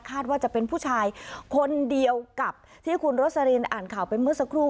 ว่าจะเป็นผู้ชายคนเดียวกับที่คุณโรสลินอ่านข่าวไปเมื่อสักครู่